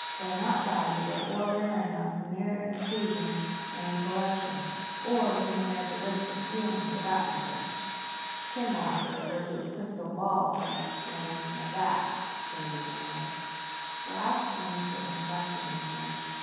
They're not valuable or rare enough to merit inclusion in a collection—or to merit the risk of stealing, for that matter." "Ken will have to refer to his crystal ball for an explanation of that," Sandy murmured. Lausch glanced at him questioningly.